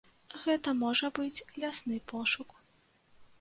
Гэта можа быць лясны пошук.